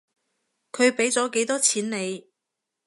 佢畀咗幾多錢你？